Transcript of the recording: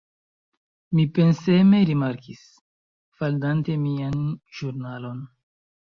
Mi penseme rimarkis, faldante mian ĵurnalon.